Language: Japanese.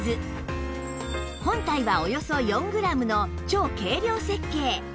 本体はおよそ４グラムの超軽量設計